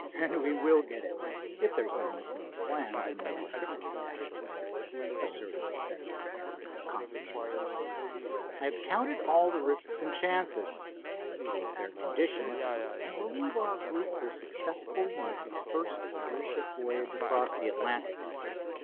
"And we will get it, if there's no miss in our plans—and no trickery, Dashaway," asserted the veteran airman, confidently. "I have counted all the risks and chances. Given fair conditions, I believe our group will successfully make the first airship voyage across the Atlantic.